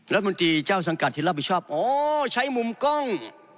รัฐมนตรีเจ้าสังกัดที่รับผิดชอบอ๋อใช้มุมกล้อง